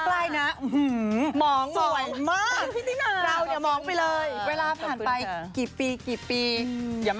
ก็น่าเด็กเหมือนเดิม